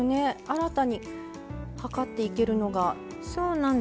新たに量っていけるのが。